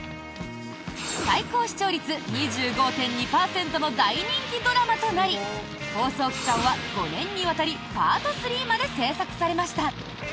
最高視聴率２５．２％の大人気ドラマとなり放送期間は５年にわたりパート３まで制作されました。